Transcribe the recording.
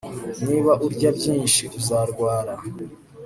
Niba urya byinshi uzarwara